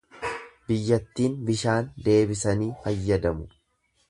Biyyattiin bishaan deebisanii fayyadamu.